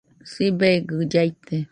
Sibegɨ llaite